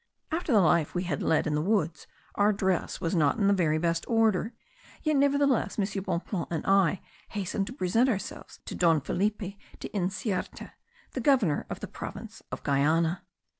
After the life we had led in the woods, our dress was not in the very best order, yet nevertheless M. Bonpland and I hastened to present ourselves to Don Felipe de Ynciarte, the governor of the province of Guiana.